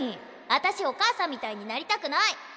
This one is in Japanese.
あたしお母さんみたいになりたくない！